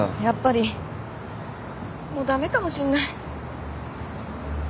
やっぱりもう駄目かもしんない。